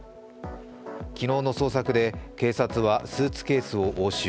昨日の捜索で警察はスーツケースを押収。